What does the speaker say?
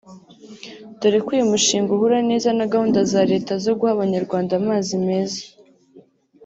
dore ko uyu mushinga uhura neza na gahunda za Leta zo guha Abanyarwanda amazi meza